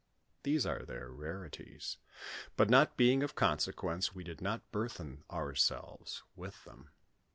These are their rareties ; but not being of conse quence, we did not burthen ourselves with them.